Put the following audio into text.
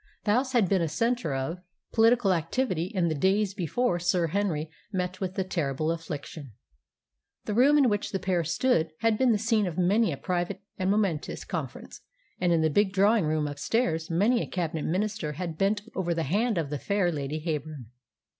The house had been a centre of political activity in the days before Sir Henry met with that terrible affliction. The room in which the pair stood had been the scene of many a private and momentous conference, and in the big drawing room upstairs many a Cabinet Minister had bent over the hand of the fair Lady Heyburn.